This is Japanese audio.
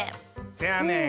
せやねん。